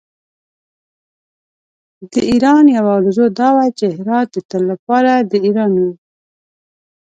د ایران یوه آرزو دا وه چې هرات د تل لپاره د ایران وي.